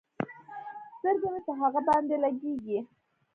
سترګې مې په هغه باندې لګېږي.